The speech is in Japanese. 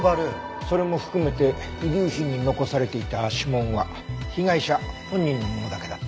それも含めて遺留品に残されていた指紋は被害者本人のものだけだった。